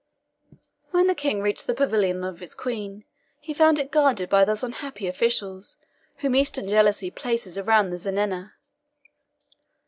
When the King reached the pavilion of his Queen he found it guarded by those unhappy officials whom Eastern jealousy places around the zenana.